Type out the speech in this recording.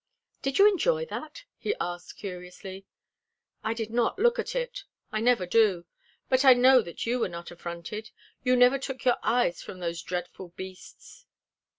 "Did you enjoy that?" he asked curiously. "I did not look at it. I never do. But I know that you were not affronted. You never took your eyes from those dreadful beasts."